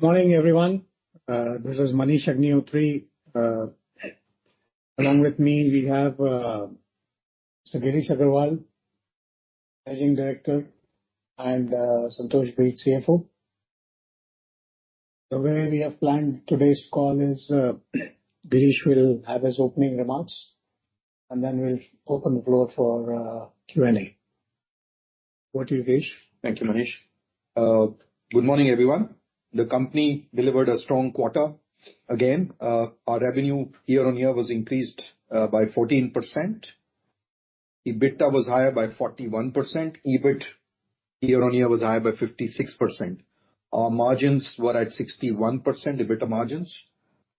Morning, everyone. This is Manish Agnihotri. Along with me, we have Mr. Girish Aggarwal, Managing Director, and Santosh Breed, CFO. The way we have planned today's call is, Girish will have his opening remarks, and then we'll open the floor for Q&A. Over to you, Girish. Thank you, Manish. Good morning, everyone. The company delivered a strong quarter. Again, our revenue year-on-year was increased by 14%. EBITDA was higher by 41%. EBIT year-on-year was higher by 56%. Our margins were at 61%, EBITDA margins.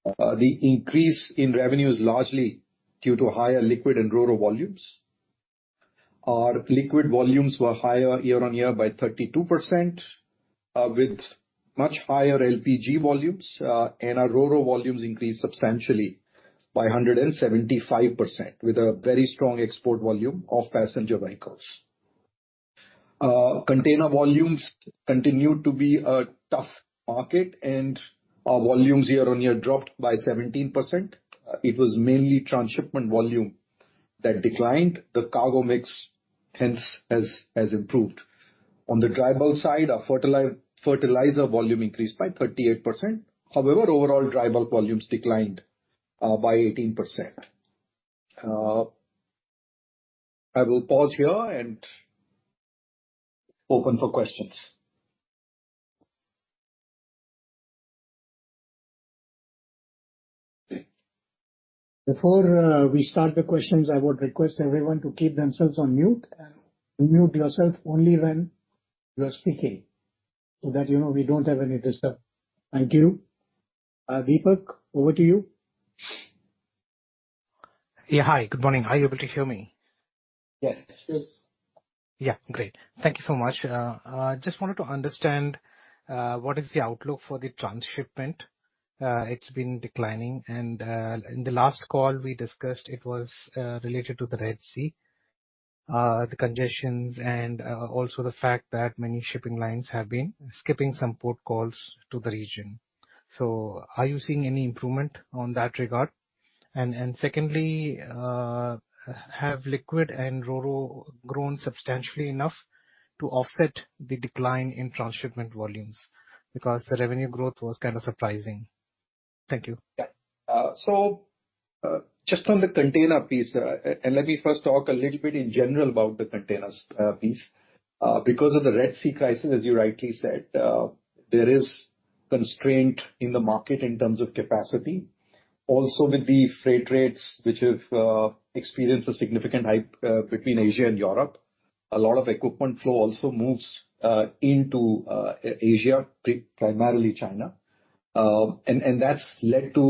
The increase in revenue is largely due to higher liquid and Ro-Ro volumes. Our liquid volumes were higher year-on-year by 32%, with much higher LPG volumes. And our Ro-Ro volumes increased substantially by 175% with a very strong export volume of passenger vehicles. Container volumes continued to be a tough market, and our volumes year-on-year dropped by 17%. It was mainly transshipment volume that declined. The cargo mix, hence, has improved. On the dry bulk side, our fertilizer volume increased by 38%. However, overall dry bulk volumes declined by 18%. I will pause here and open for questions. Before we start the questions, I would request everyone to keep themselves on mute, and unmute yourself only when you are speaking, so that, you know, we don't have any disturbance. Thank you. Deepak, over to you. Yeah, hi. Good morning. Are you able to hear me? Yes. Yes. Yeah, great. Thank you so much. Just wanted to understand what is the outlook for the transshipment? It's been declining, and in the last call we discussed it was related to the Red Sea, the congestion and also the fact that many shipping lines have been skipping some port calls to the region. So are you seeing any improvement on that regard? And secondly, have liquid and Ro-Ro grown substantially enough to offset the decline in transshipment volumes? Because the revenue growth was kind of surprising. Thank you. Yeah. So, just on the container piece, and let me first talk a little bit in general about the containers piece. Because of the Red Sea crisis, as you rightly said, there is constraint in the market in terms of capacity. Also, with the freight rates, which have experienced a significant hike, between Asia and Europe, a lot of equipment flow also moves into Asia, primarily China. And that's led to,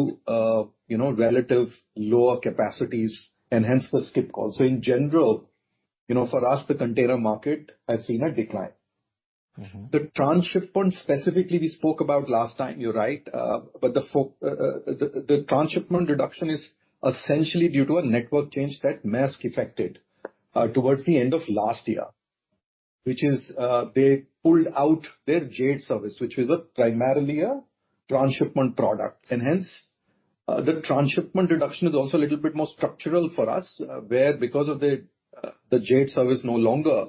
you know, relative lower capacities and hence the skip call. So in general, you know, for us, the container market has seen a decline. Mm-hmm. The transshipment specifically, we spoke about last time, you're right. But the transshipment reduction is essentially due to a network change that Maersk effected towards the end of last year, which is they pulled out their Jade service, which is primarily a transshipment product. And hence, the transshipment reduction is also a little bit more structural for us, where because of the Jade service no longer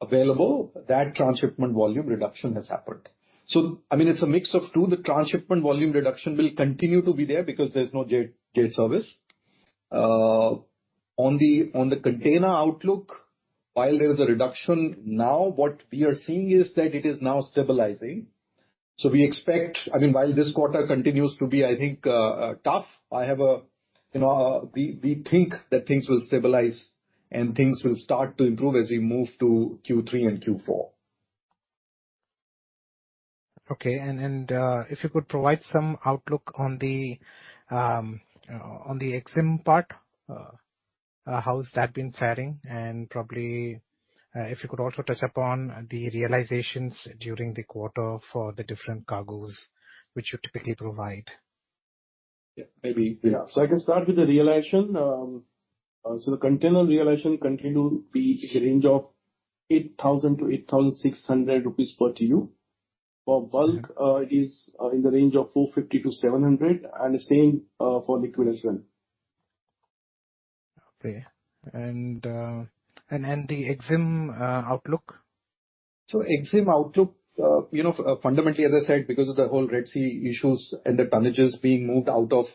available, that transshipment volume reduction has happened. So, I mean, it's a mix of two. The transshipment volume reduction will continue to be there because there's no Jade service. On the container outlook, while there is a reduction now, what we are seeing is that it is now stabilizing. So we expect... I mean, while this quarter continues to be, I think, tough, you know, we think that things will stabilize and things will start to improve as we move to Q3 and Q4. Okay, and, if you could provide some outlook on the exim part, how has that been faring? And probably, if you could also touch upon the realizations during the quarter for the different cargoes which you typically provide. Yeah, maybe, yeah. So I can start with the realization. The container realization continue to be in the range of 8,000-8,600 rupees per TEU. Okay. For bulk, it is in the range of 450-700, and the same for liquid as well. Okay. And the Exim outlook? So exim outlook, you know, fundamentally, as I said, because of the whole Red Sea issues and the tonnages being moved out of,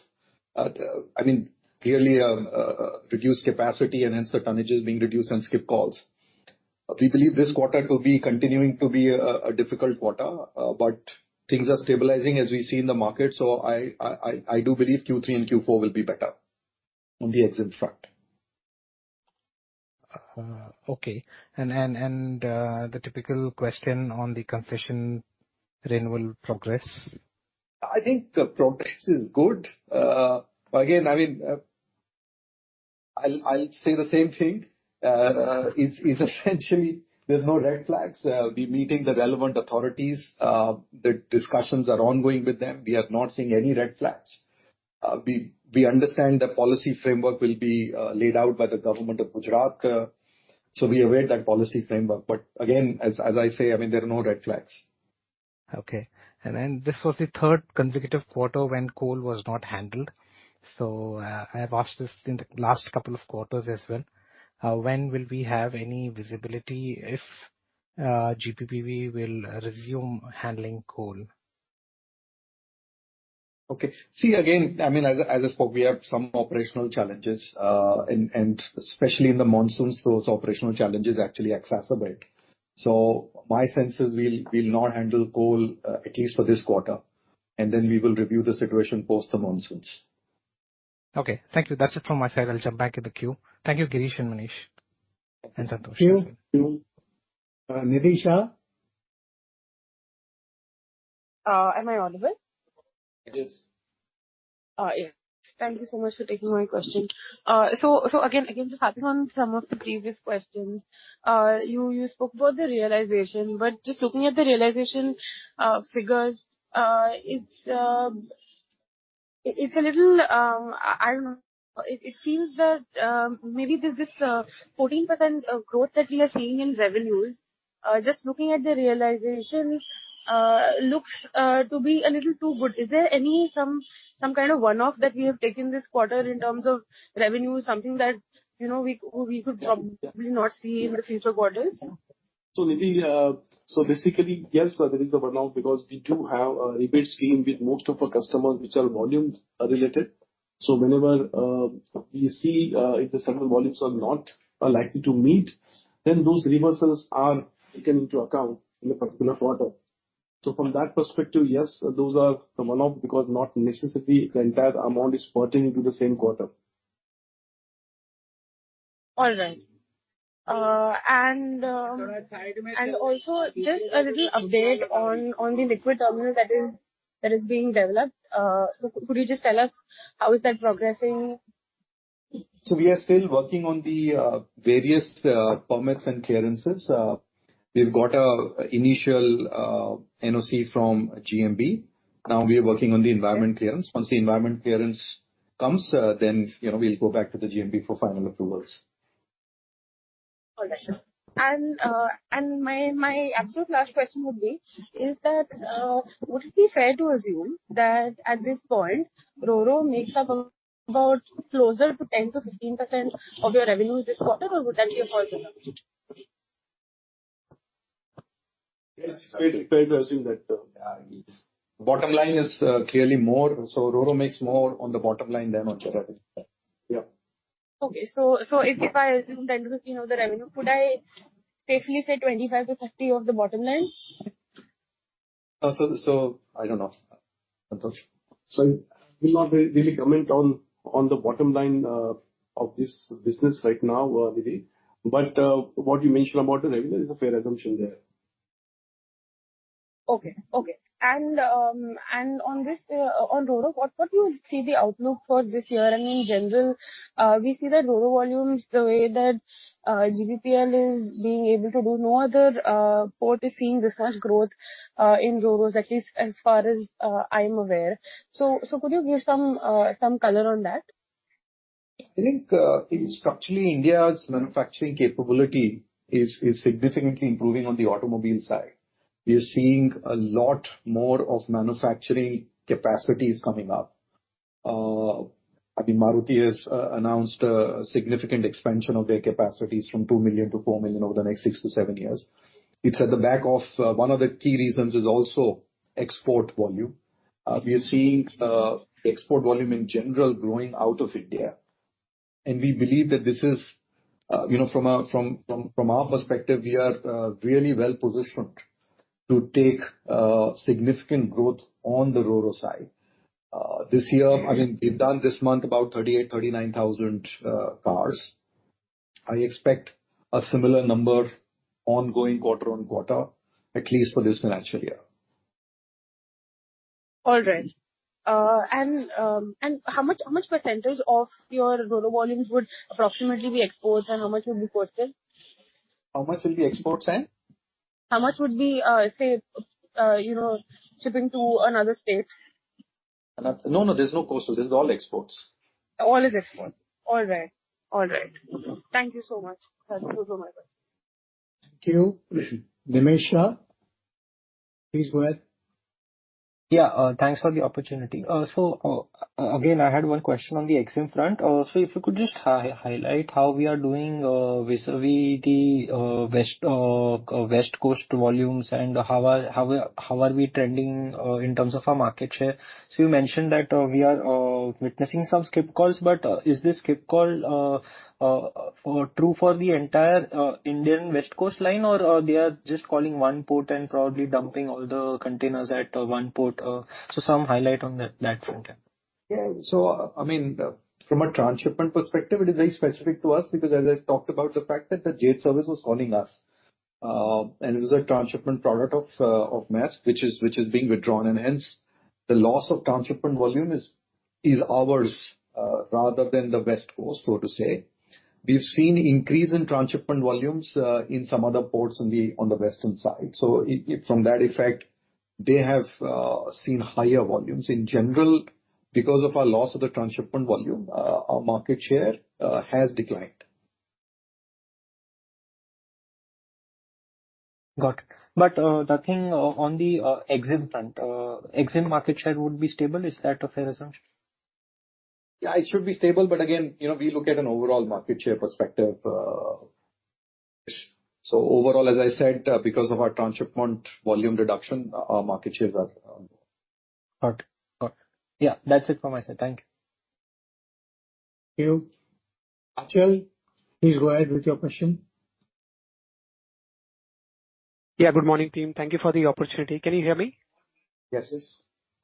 I mean, clearly, reduced capacity and hence the tonnages being reduced on skip calls. We believe this quarter to be continuing to be a difficult quarter, but things are stabilizing as we see in the market. So I do believe Q3 and Q4 will be better on the exim front. Okay. The typical question on the concession renewal progress? I think the progress is good. Again, I mean, I'll say the same thing. It's essentially, there's no red flags. We're meeting the relevant authorities. The discussions are ongoing with them. We have not seen any red flags. We understand the policy framework will be laid out by the government of Gujarat, so we await that policy framework. But again, as I say, I mean, there are no red flags. Okay. And then this was the third consecutive quarter when coal was not handled. So, I have asked this in the last couple of quarters as well: When will we have any visibility if GPPL will resume handling coal? Okay. See, again, I mean, as I spoke, we have some operational challenges, and especially in the monsoons, those operational challenges actually exacerbate. So my sense is we'll not handle coal, at least for this quarter, and then we will review the situation post the monsoons. Okay. Thank you. That's it from my side. I'll jump back in the queue. Thank you, Girish and Manish and Santosh. Thank you. Thank you. Nidhi Shah? Am I on it? Yes. Yeah. Thank you so much for taking my question. So, again, just adding on some of the previous questions. You spoke about the realization, but just looking at the realization figures, it's a little. I don't know. It feels that maybe there's this 14% growth that we are seeing in revenues, just looking at the realization, looks to be a little too good. Is there any, some kind of one-off that we have taken this quarter in terms of revenue, something that, you know, we could probably not see in the future quarters? So, Nidhi, so basically, yes, there is a one-off because we do have a rebate scheme with most of our customers, which are volume related. So whenever we see if the several volumes are not likely to meet, then those reversals are taken into account in a particular quarter. So from that perspective, yes, those are the one-off, because not necessarily the entire amount is pertaining to the same quarter. All right. And also just a little update on the liquid terminal that is being developed. So could you just tell us, how is that progressing? So we are still working on the various permits and clearances. We've got an initial NOC from GMB. Now we are working on the environment clearance. Once the environment clearance comes, then, you know, we'll go back to the GMB for final approvals. All right. And my absolute last question would be, is that would it be fair to assume that at this point, Ro-Ro makes up about closer to 10%-15% of your revenue this quarter, or would that be a false assumption? It's fair to assume that. Bottom line is, clearly more, so Ro-Ro makes more on the bottom line than on the top. Yeah. Okay. So, so if I assume 10%-15% of the revenue, could I safely say 25%-30% of the bottom line? So, I don't know. Santosh? So we'll not really comment on the bottom line of this business right now, Nidhi. But what you mentioned about the revenue is a fair assumption there. Okay. Okay. And on this, on Ro-Ro, what do you see the outlook for this year? And in general, we see that Ro-Ro volumes, the way that GPPL is being able to do, no other port is seeing this much growth in Ro-Ros, at least as far as I'm aware. So could you give some color on that? I think, structurally, India's manufacturing capability is significantly improving on the automobile side. We are seeing a lot more of manufacturing capacities coming up. I mean, Maruti has announced a significant expansion of their capacities from 2 million to 4 million over the next six to seven years. It's at the back of one of the key reasons is also export volume. We are seeing export volume in general growing out of India, and we believe that this is, you know, from our perspective, we are really well positioned to take significant growth on the Ro-Ro side. This year, I mean, we've done this month about 38-39 thousand cars. I expect a similar number ongoing quarter-on-quarter, at least for this financial year. All right. And how much percentage of your Ro-Ro volumes would approximately be exports, and how much would be coastal? How much will be exports and? How much would be, say, you know, shipping to another state? No, no, there's no coastal. This is all exports. All is export. All right. All right. Mm-hmm. Thank you so much. That was all my questions. Thank you. Dinesh Shah, please go ahead. Yeah, thanks for the opportunity. So, again, I had one question on the exim front. So if you could just highlight how we are doing vis-à-vis the west coast volumes and how are we trending in terms of our market share? So you mentioned that we are witnessing some skip calls, but is this skip call true for the entire Indian West Coast line, or they are just calling one port and probably dumping all the containers at one port? So some highlight on that front end. Yeah. So I mean, from a transshipment perspective, it is very specific to us because as I talked about the fact that the Jade service was calling us, and it was a transshipment product of Maersk, which is being withdrawn, and hence the loss of transshipment volume is ours, rather than the West Coast, so to say. We've seen increase in transshipment volumes in some other ports on the western side. So from that effect, they have seen higher volumes. In general, because of our loss of the transshipment volume, our market share has declined. Got it. But, the thing on the, Exim front, Exim market share would be stable, is that a fair assumption? Yeah, it should be stable, but again, you know, we look at an overall market share perspective, so overall, as I said, because of our transshipment volume reduction, our market shares are. Got it. Got it. Yeah, that's it from my side. Thank you. Thank you. Achal, please go ahead with your question. Yeah, good morning, team. Thank you for the opportunity. Can you hear me? Yes,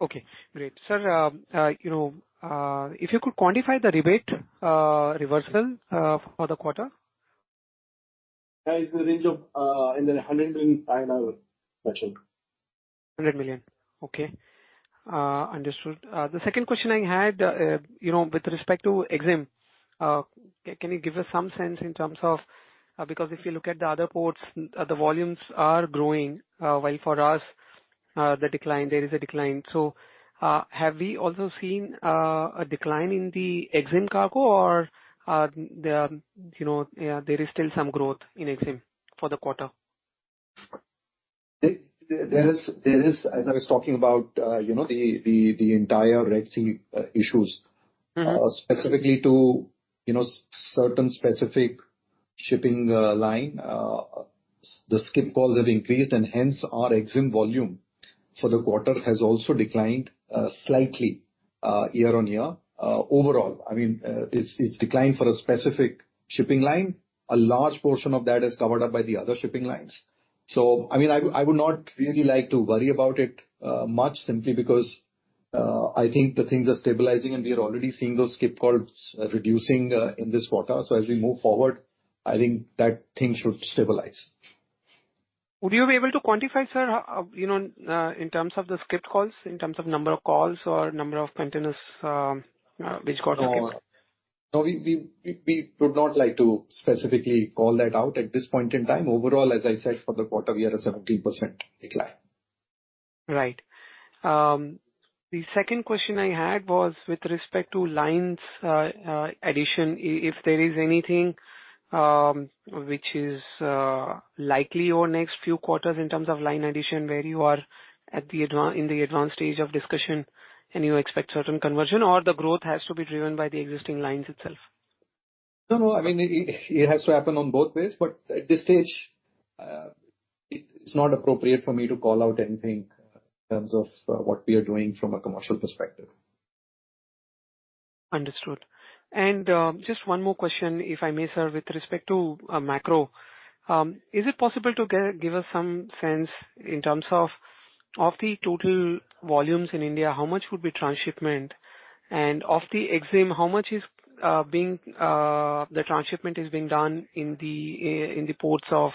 yes. Okay, great. Sir, you know, if you could quantify the rebate reversal for the quarter? Yeah, it's in the range of in the 100 in INR, actually. 100 million. Okay. Understood. The second question I had, you know, with respect to Exim, can you give us some sense in terms of... Because if you look at the other ports, the volumes are growing, while for us, the decline, there is a decline. So, have we also seen a decline in the Exim cargo, or, the, you know, there is still some growth in Exim for the quarter? There is, as I was talking about, you know, the entire Red Sea issues. Mm-hmm. Specifically to, you know, certain specific shipping line, the skip calls have increased, and hence our Exim volume for the quarter has also declined slightly, year-on-year. Overall, I mean, it's declined for a specific shipping line. A large portion of that is covered up by the other shipping lines. So, I mean, I would not really like to worry about it much simply because, I think the things are stabilizing, and we are already seeing those skip calls reducing in this quarter. So as we move forward, I think that things should stabilize. Would you be able to quantify, sir, you know, in terms of the skipped calls, in terms of number of calls or number of containers, which got- No, we would not like to specifically call that out at this point in time. Overall, as I said, for the quarter, we are at 17% decline. Right. The second question I had was with respect to lines addition. If there is anything which is likely over next few quarters in terms of line addition, where you are in the advanced stage of discussion, and you expect certain conversion, or the growth has to be driven by the existing lines itself? No, no, I mean, it has to happen on both ways, but at this stage, it's not appropriate for me to call out anything in terms of what we are doing from a commercial perspective. Understood. Just one more question, if I may, sir, with respect to macro. Is it possible to give us some sense in terms of the total volumes in India, how much would be transshipment, and of the Exim, how much is the transshipment being done in the ports of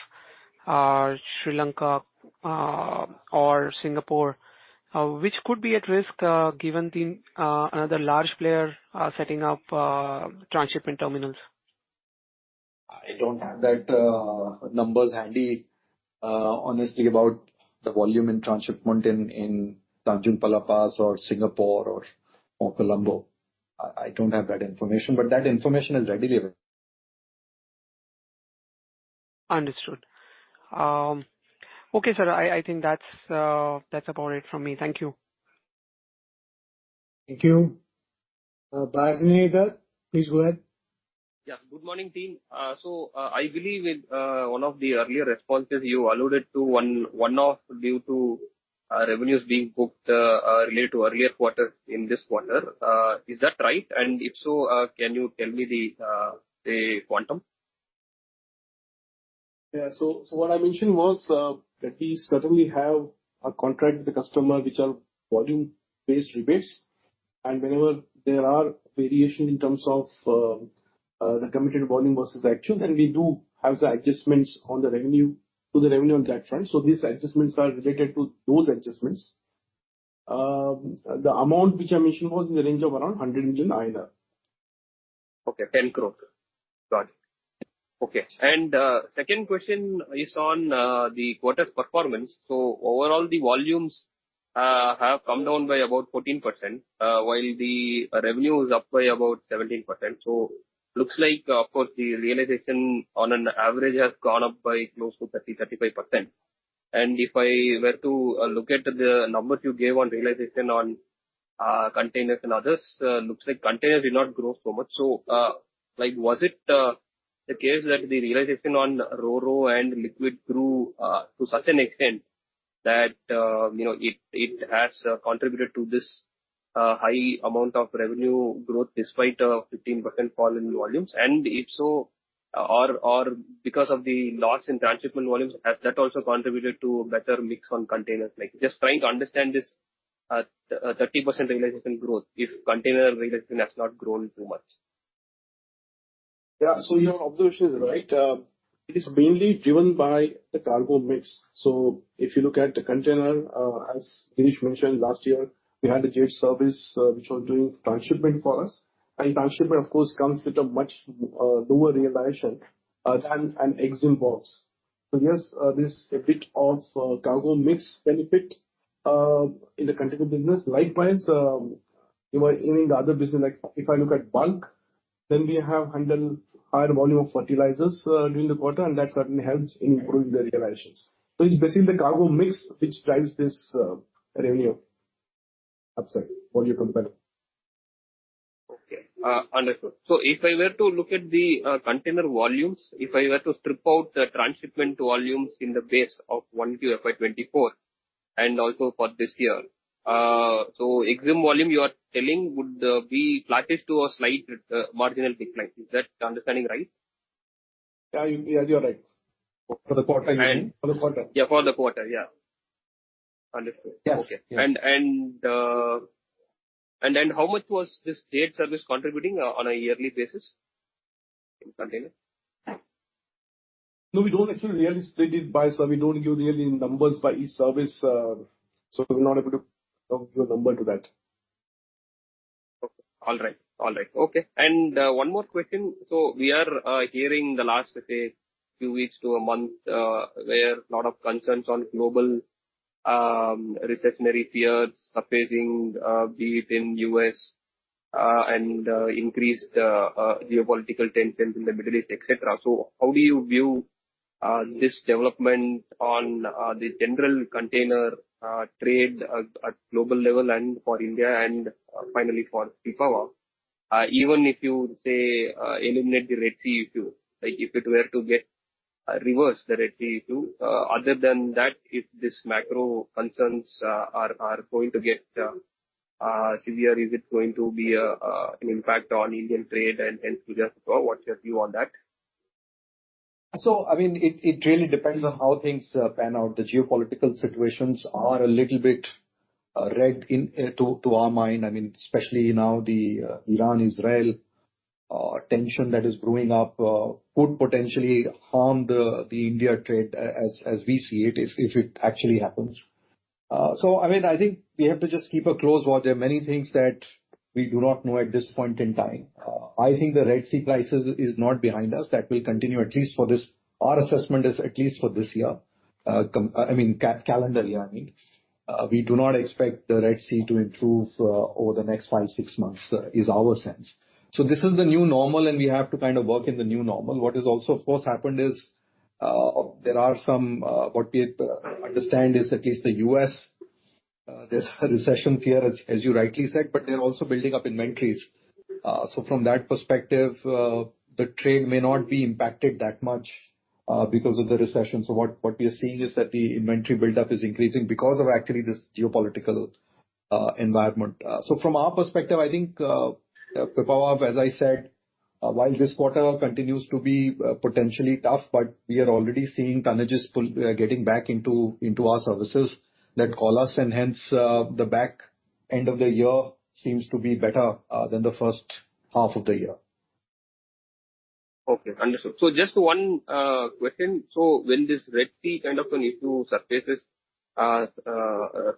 Sri Lanka or Singapore, which could be at risk given another large player setting up transshipment terminals? I don't have that numbers handy, honestly, about the volume in transshipment in Tanjung Pelapas or Singapore or Colombo. I don't have that information, but that information is readily available. Understood. Okay, sir, I think that's about it from me. Thank you. Thank you. Bhargav, please go ahead. Yeah, good morning, team. So, I believe in one of the earlier responses, you alluded to one one-off due to revenues being booked related to earlier quarter in this quarter. Is that right? And if so, can you tell me the quantum? Yeah, so, so what I mentioned was, that we certainly have a contract with the customer, which are volume-based rebates. And whenever there are variation in terms of, the committed volume versus the actual, then we do have the adjustments on the revenue, to the revenue on that front. So these adjustments are related to those adjustments. The amount which I mentioned was in the range of around 100 million INR. Okay, 10 crore. Got it. Okay, and second question is on the quarter's performance. So overall, the volumes have come down by about 14%, while the revenue is up by about 17%. So looks like, of course, the realization on an average has gone up by close to 30%-35%. And if I were to look at the numbers you gave on realization on containers and others, looks like containers did not grow so much. So, like, was it the case that the realization on Ro-Ro and liquid grew to such an extent that, you know, it has contributed to this high amount of revenue growth despite a 15% fall in volumes? And if so, or because of the loss in transshipment volumes, has that also contributed to better mix on containers? Like, just trying to understand this 30% realization growth, if container realization has not grown too much. Yeah, so your observation is right. It is mainly driven by the cargo mix. So if you look at the container, as Girish mentioned, last year, we had a Jade service, which was doing transshipment for us. And transshipment, of course, comes with a much lower realization than an exim box. So yes, there's a bit of cargo mix benefit in the container business. Likewise, even in the other business, like, if I look at bulk, then we have handled higher volume of fertilizers during the quarter, and that certainly helps in improving the realizations. So it's basically the cargo mix which drives this revenue upside volume compared. Okay, understood. So if I were to look at the container volumes, if I were to strip out the transshipment volumes in the base of 1QFY24, and also for this year, so Exim volume you are telling would be flattish to a slight marginal decline. Is that understanding right? Yeah. Yes, you are right. For the quarter- And- For the quarter. Yeah, for the quarter. Yeah. Understood. Yes. Okay. And how much was this trade service contributing on a yearly basis in container? No, we don't actually really split it by, so we don't give really numbers by each service, so we're not able to give a number to that. Okay. All right. All right. Okay. And, one more question: so we are hearing the last, let's say, two weeks to a month, where a lot of concerns on global, recessionary fears surfacing, be it in U.S., and, increased, geopolitical tensions in the Middle East, et cetera. So how do you view, this development on, the general container, trade at, global level and for India and, finally, for Pipavav? Even if you say, eliminate the Red Sea issue, like, if it were to get, reversed, the Red Sea issue, other than that, if this macro concerns, are, going to get, severe, is it going to be a, an impact on Indian trade and, to just what's your view on that? So, I mean, it really depends on how things pan out. The geopolitical situations are a little bit reddening to our mind. I mean, especially now, the Iran-Israel tension that is brewing up could potentially harm the India trade as we see it, if it actually happens. So, I mean, I think we have to just keep a close watch. There are many things that we do not know at this point in time. I think the Red Sea crisis is not behind us. That will continue, at least for this year. Our assessment is at least for this calendar year, I mean. We do not expect the Red Sea to improve over the next 5-6 months, is our sense. So this is the new normal, and we have to kind of work in the new normal. What is also, of course, happened is what we understand is at least the U.S., there's a recession fear, as you rightly said, but they're also building up inventories. So from that perspective, the trade may not be impacted that much because of the recession. So what we are seeing is that the inventory buildup is increasing because of actually this geopolitical environment. So, from our perspective, I think Pipavav, as I said, while this quarter continues to be potentially tough, but we are already seeing tonnages pull getting back into, into our services that call us and hence the back end of the year seems to be better than the first half of the year. Okay, understood. So just one question. So when this Red Sea kind of an issue surfaces,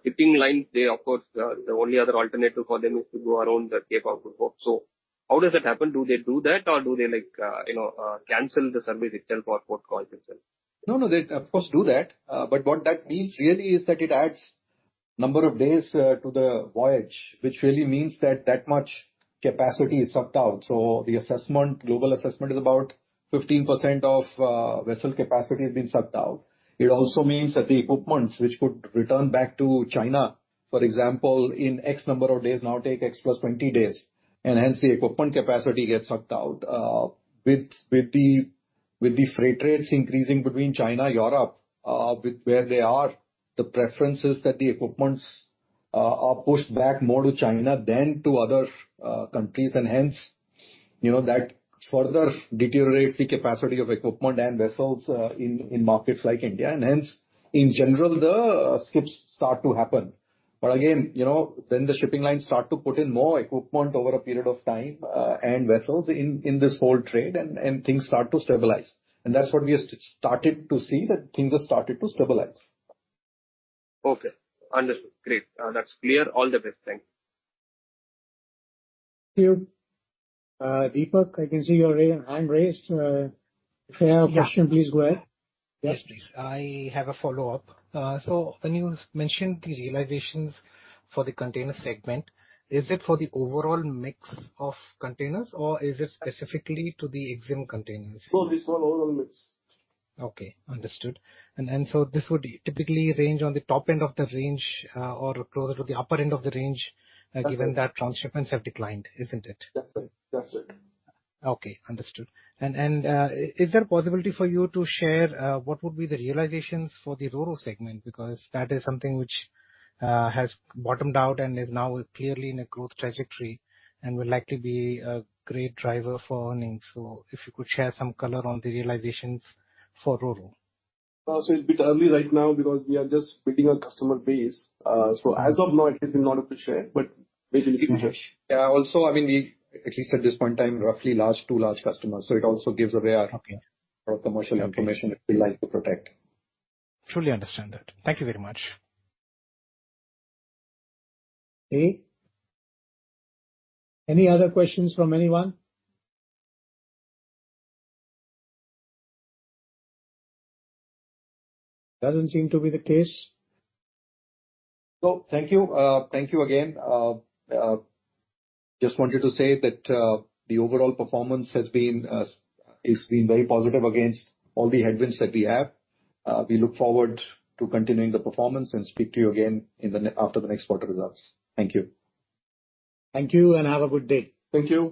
shipping lines, they of course, the only other alternative for them is to go around the Cape of Good Hope. So how does that happen? Do they do that, or do they, like, you know, cancel the service itself or port calls itself? No, no, they, of course, do that. But what that means really is that it adds number of days to the voyage, which really means that that much capacity is sucked out. So the assessment, global assessment, is about 15% of vessel capacity has been sucked out. It also means that the equipments which could return back to China, for example, in X number of days, now take X plus 20 days, and hence the equipment capacity gets sucked out. With the freight rates increasing between China, Europe, with where they are, the preference is that the equipments are pushed back more to China than to other countries, and hence, you know, that further deteriorates the capacity of equipment and vessels in markets like India, and hence, in general, the skips start to happen. But again, you know, then the shipping lines start to put in more equipment over a period of time, and vessels in this whole trade, and things start to stabilize. That's what we have started to see, that things have started to stabilize. Okay, understood. Great. That's clear. All the best. Thank you. Thank you. Deepak, I can see your hand raised. If you have a question, please go ahead. Yes, please. I have a follow-up. So, when you mentioned the realizations for the container segment, is it for the overall mix of containers, or is it specifically to the exim containers? No, it's for overall mix. Okay, understood. This would typically range on the top end of the range, or closer to the upper end of the range. That's it. Given that transshipments have declined, isn't it? That's it. That's it. Okay, understood. And, is there a possibility for you to share what would be the realizations for the roro segment? Because that is something which has bottomed out and is now clearly in a growth trajectory and would likely be a great driver for earnings. So if you could share some color on the realizations for roro. It's a bit early right now because we are just building our customer base. As of now, it is not able to share, but we will give you share. Yeah. Also, I mean, we at least at this point in time, roughly 2 large customers, so it also gives away our- Okay. our commercial information that we like to protect. Truly understand that. Thank you very much. Okay. Any other questions from anyone? Doesn't seem to be the case. Thank you, thank you again. Just wanted to say that the overall performance has been, has been very positive against all the headwinds that we have. We look forward to continuing the performance and speak to you again in the ne- after the next quarter results. Thank you. Thank you, and have a good day. Thank you.